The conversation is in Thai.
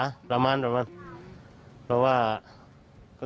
รถได้ประมาณประมาณ